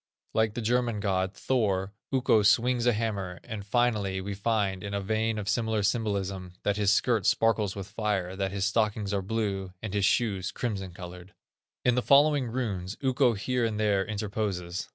Like the German god, Thor, Ukko swings a hammer; and, finally, we find, in a vein of familiar symbolism, that his skirt sparkles with fire, that his stockings are blue, and his shoes, crimson colored. In the following runes, Ukko here and there interposes.